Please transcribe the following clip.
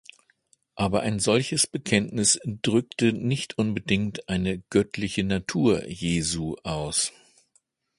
Aber ein solches Bekenntnis drückte nicht unbedingt eine „göttliche Natur“ Jesu aus.